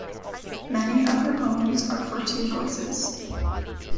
Many of her poems are for two voices.